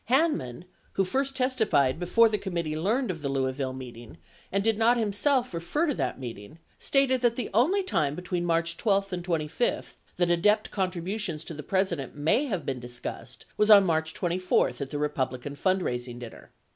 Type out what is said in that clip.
50 Hanman, who first testified before the committee learned of the Louisville meeting and did not himself refer to that meeting, stated that the only time between March 12 and 25 that ADEPT contributions to the President may have been discussed was on March 24 at the Republican fund raising dinner.